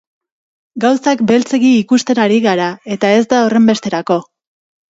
Gauzak beltzegi ikusten ari gara, eta ez da horrenbesterako.